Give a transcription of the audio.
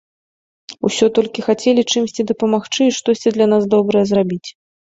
Усё толькі хацелі чымсьці дапамагчы і штосьці для нас добрае зрабіць.